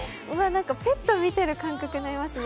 ペットを見てる感覚になりますね。